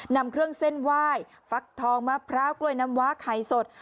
นำเครื่องเส้นไหว้ฟักทองมะพร้าวกล้วยน้ำว้าไข่สด